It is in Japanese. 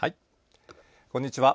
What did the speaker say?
こんにちは。